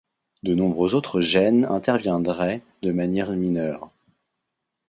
De nombreux autres gènes interviendraient de manière mineure.